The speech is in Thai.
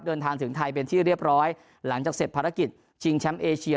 เดินทางถึงไทยเป็นที่เรียบร้อยหลังจากเสร็จภารกิจชิงแชมป์เอเชีย